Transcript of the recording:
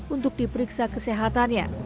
untuk diperiksa kesehatannya